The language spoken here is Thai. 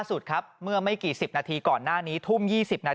ปี๖๕วันเกิดปี๖๔ไปร่วมงานเช่นเดียวกัน